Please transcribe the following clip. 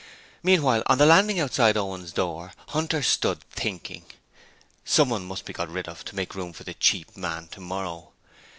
Meanwhile, on the landing outside Owen's door, Hunter stood thinking. Someone must be got rid of to make room for the cheap man tomorrow.